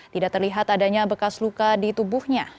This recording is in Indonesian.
tidak terlihat adanya bekas luka di tubuhnya